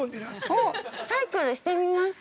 ◆おっ、サイクルしてみます？